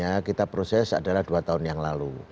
yang kita proses adalah dua tahun yang lalu